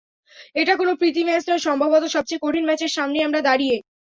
এটা কোনো প্রীতি ম্যাচ নয়, সম্ভবত সবচেয়ে কঠিন ম্যাচের সামনেই আমরা দাঁড়িয়ে।